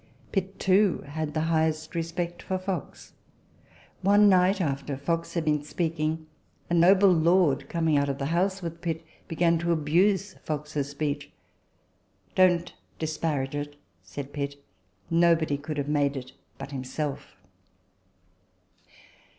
* Pitt, too, had the highest respect for Fox. One night, after Fox had been speaking, a noble lord, coming out of the House with Pitt, began to abuse Fox's speech, " Don't disparage it," said Pitt ;" nobody could have made it but himself."